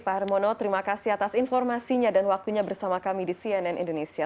pak hermono terima kasih atas informasinya dan waktunya bersama kami di cnn indonesia